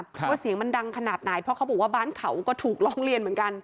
ว่าเสียงมันดังขนาดไหนเพราะเขาบอกว่าบ้านเขาก็ถูกร้องเรียนเหมือนกัน